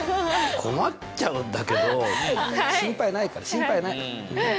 困っちゃうんだけど心配ないから心配ない。